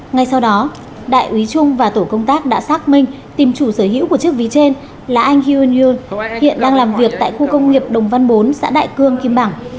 ngay sau đó đại úy trung và tổ công tác đã xác minh tìm chủ sở hữu của chiếc ví trên là anh hun yoon hiện đang làm việc tại khu công nghiệp đồng văn bốn xã đại cương kim bảng